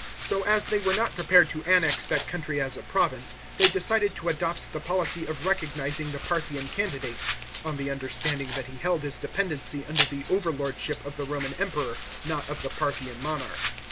So as they were not prepared to annex that country as a province, they decided to adopt the policy of recognizing the Parthian candidate, on the understanding that he held his dependency under the over lordship of the Roman Emperor, not of the Parthian monarch.